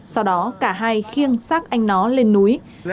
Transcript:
sau đó cả hai khiêng xác anh nó lên núi